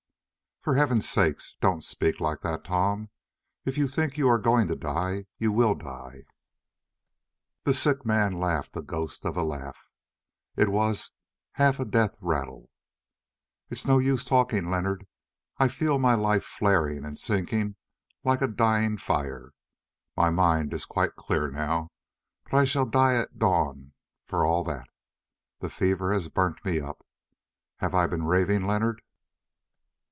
"For heaven's sake don't speak like that, Tom! If you think you are going to die, you will die." The sick man laughed a ghost of a laugh—it was half a death rattle. "It is no use talking, Leonard; I feel my life flaring and sinking like a dying fire. My mind is quite clear now, but I shall die at dawn for all that. The fever has burnt me up! Have I been raving, Leonard?"